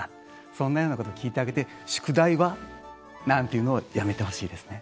そんなようなことを聞いてあげて「宿題は？」なんて言うのをやめてほしいですね。